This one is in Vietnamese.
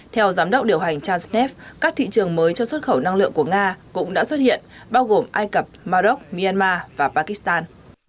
theo giám đốc điều hành charles neff các thị trường mới cho xuất khẩu năng lượng của nga cũng đã xuất hiện bao gồm ai cập màu đốc myanmar và pakistan